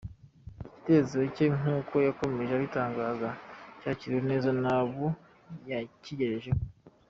Igitekerezo cye nk’uko yakomeje abitangaza cyakiriwe neza n’abo yakigejejeho.